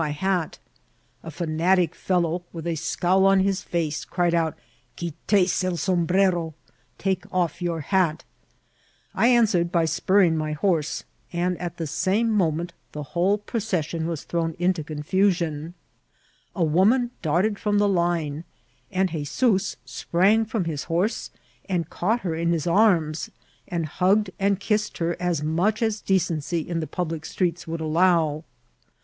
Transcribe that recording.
my hat A fiuiatic fellowi with a soowl on his ttce^ cried out, " quittes el sombrero,'' " take off your hat,'* I answered by spurring my horse, and at the same mo ment the whole procession was thrown into confusi<m. A woman darted from the line, and 'Hezoos sprang from his horse and caught her in his arms, and hu^ed and kissed her as much as decency in the public streets would allow.